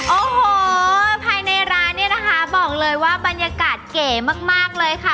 โอ้โหภายในร้านเนี่ยนะคะบอกเลยว่าบรรยากาศเก๋มากเลยค่ะ